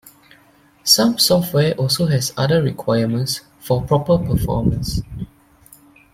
Some software also has other requirements for proper performance.